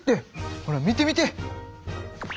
ほら見て見て。